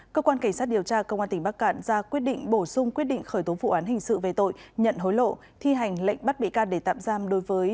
cơ quan cảnh sát điều tra công an tỉnh bắc cạn ra quyết định bổ sung quyết định khởi tố vụ án hình sự về tội nhận hối lộ thi hành lệnh bắt bị can để tạm giam đối với